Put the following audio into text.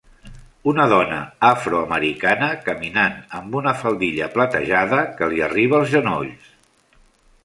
Una dona afroamericana caminant amb una faldilla platejada que li arriba als genolls.